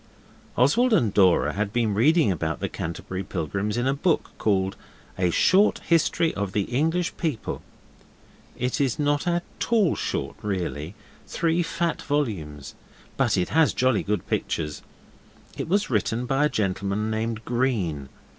Oswald and Dora had been reading about the Canterbury Pilgrims in a book called A Short History of the English People. It is not at all short really three fat volumes but it has jolly good pictures. It was written by a gentleman named Green.